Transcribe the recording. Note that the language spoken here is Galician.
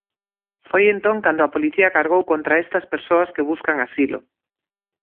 Foi entón cando a policía cargou contra estas persoas que buscan asilo.